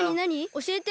おしえて！